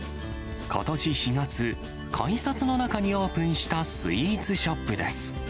ことし４月、改札の中にオープンしたスイーツショップです。